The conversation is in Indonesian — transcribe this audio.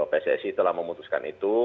pssi telah memutuskan itu